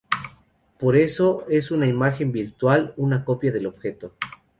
Por eso es una imagen virtual, una copia del objeto.